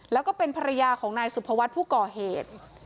แล้วก็เป็นภรรยาของนายสุภวัฒน์ผู้ก่อเหตุ